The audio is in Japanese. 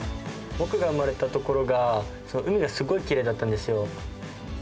僕が生まれた所が海がすごいきれいだったんですよ。